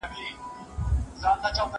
زه له سهاره اوبه پاکوم؟